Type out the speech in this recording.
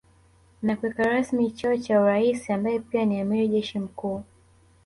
Na kuweka rasmi cheo cha uraisi ambaye pia ni amiri jeshi mkuu